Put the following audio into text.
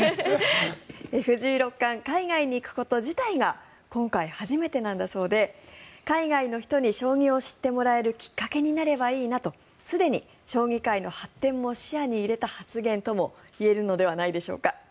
藤井六冠、海外に行くこと自体が今回初めてなんだそうで海外の人に将棋を知ってもらえるきっかけになればいいなとすでに、将棋界の発展も視野に入れた発言ともいえるのではないでしょうか。